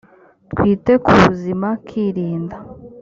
twite ku buzima kirinda